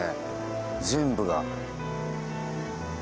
全部が。